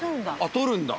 撮るんだ？